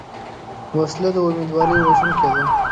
وسله د امیدواري وژونکې ده